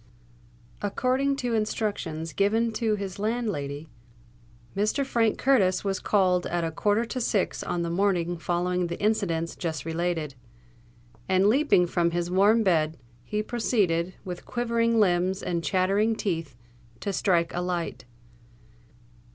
According to instructions given to his landlady, Mr. Frank Curtis was called at a quarter to six on the morning following the incidents just related; and leaping from his warm bed, he proceeded, with quivering limbs and chattering teeth, to strike a light.